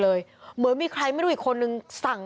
ลูกนั่นแหละที่เป็นคนผิดที่ทำแบบนี้